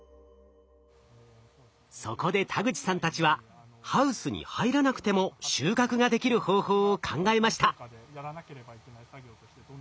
そこで田口さんたちはハウスに入らなくても収穫ができる方法を考えました。